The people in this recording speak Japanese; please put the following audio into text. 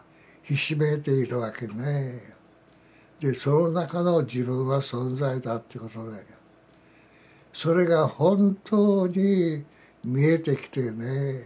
その中の自分は存在だってことでそれが本当に見えてきてね